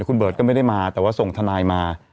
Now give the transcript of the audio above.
คุณเบิร์ตก็ไม่ได้มาแต่ว่าส่งทนายมา